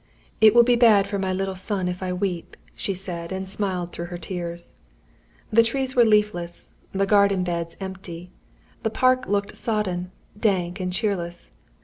"It will be bad for my little son if I weep," she said, and smiled through her tears. The trees were leafless, the garden beds empty. The park looked sodden, dank and cheerless.